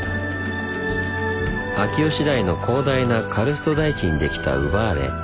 秋吉台の広大なカルスト台地にできたウバーレ。